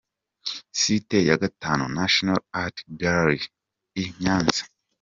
Site ya gatanu: National Art Gallery i Nyanza.